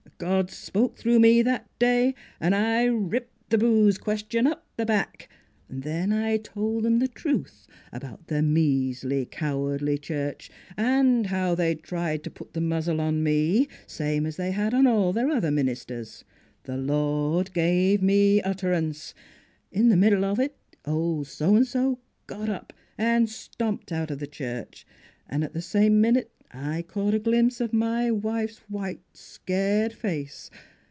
... God spoke through me that day an' I ripped the booze question up the back. Then I told 'em the truth about their measly, cowardly church. And how they'd tried to put the muzzle on me, same as they had on all their other min isters. The Lord gave me utterance. In the middle of it old So an' so got up an' stomped out of the church ; an' at the same minute I caught a glimpse of my wife's white, scared face.